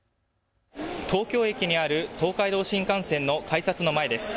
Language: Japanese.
東京駅にある東海道新幹線の改札の前です。